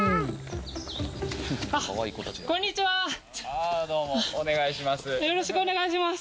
ああどうもお願いします。